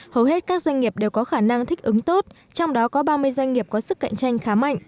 hầu hết các doanh nghiệp đều có khả năng thích ứng tốt trong đó có ba mươi doanh nghiệp có sức cạnh tranh khá mạnh